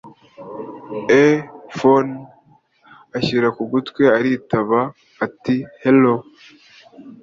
e phone ashyira kugutwi aritaba ati hello…